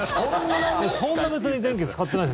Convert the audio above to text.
そんな別に電気使ってないです。